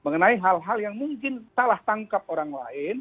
mengenai hal hal yang mungkin salah tangkap orang lain